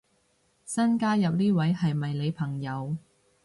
新加入呢位係咪你朋友